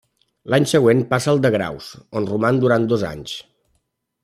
L'any següent passa al de Graus, on roman durant dos anys.